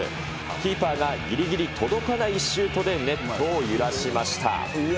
キーパーがぎりぎり届かないシュートでネットを揺らしました。